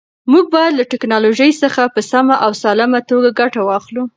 موږ باید له ټیکنالوژۍ څخه په سمه او سالمه توګه ګټه واخلو.